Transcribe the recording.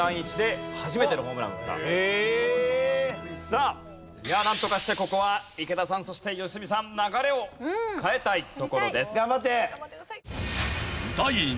さあなんとかしてここは池田さんそして良純さん流れを変えたいところです。